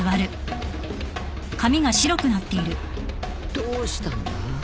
どうしたんだ？